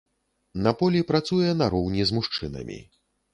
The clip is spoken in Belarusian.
На полі працуе нароўні з мужчынамі.